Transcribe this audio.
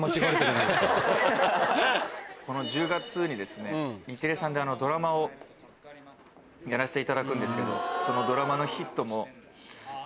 この１０月に日テレさんでドラマをやらせていただくんですけどその。